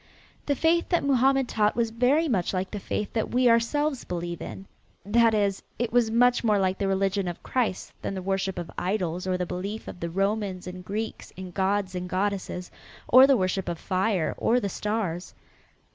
The faith that Mohammed taught was very much like the faith that we ourselves believe in. That is, it was much more like the religion of Christ than the worship of idols or the belief of the Romans and Greeks in gods and goddesses, or the worship of fire or the stars.